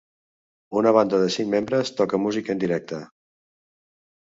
Una banda de cinc membres toca música en directe.